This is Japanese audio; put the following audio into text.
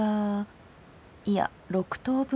いや６等分。